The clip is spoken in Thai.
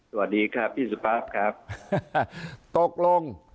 สวัสดีครับพี่สุภาพครับตกลง